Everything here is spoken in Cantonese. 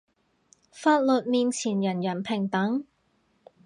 法律面前人人平等